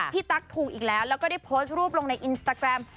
ตั๊กถูกอีกแล้วแล้วก็ได้โพสต์รูปลงในอินสตาแกรม